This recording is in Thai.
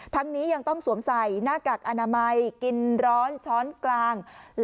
นี้ยังต้องสวมใส่หน้ากากอนามัยกินร้อนช้อนกลาง